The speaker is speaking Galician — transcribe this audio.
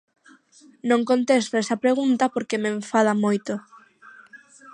Non contesto esa pregunta porque me enfada moito.